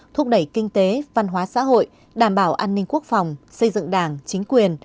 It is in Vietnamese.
thúc đẩy kinh tế văn hóa xã hội đảm bảo an ninh quốc phòng xây dựng đảng chính quyền